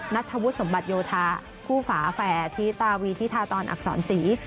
นัดทะวุธสมบัติโยธาผู้ฝาแฟร์ที่ตาวีที่ทาตอนอักษรศรี